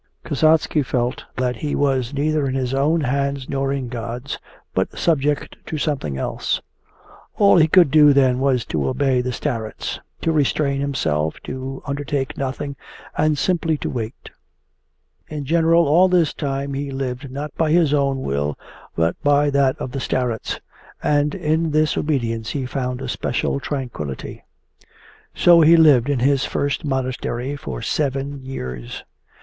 Kasatsky felt that he was neither in his own hands nor in God's, but was subject to something else. All he could do then was to obey the starets, to restrain himself, to undertake nothing, and simply to wait. In general all this time he lived not by his own will but by that of the starets, and in this obedience he found a special tranquillity. So he lived in his first monastery for seven years.